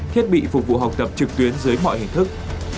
thiết bị phục vụ học tập trực tuyến dưới mọi hình thức